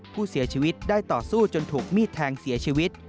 ผู้เสียชีวิตได้ต่อสู้จนถูกมีดแทงเสียชีวิต